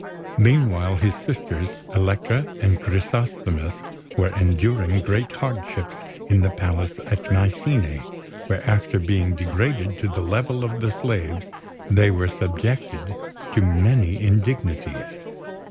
Meanwhile, his sisters, Elektra and Chrysosthemis, were enduring great hardships in the palace at Mycene, where, after being degraded to the level of the slaves, they were subjected to many indignities.